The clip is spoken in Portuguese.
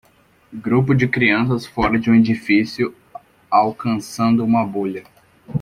grupo de crianças fora de um edifício, alcançando uma bolha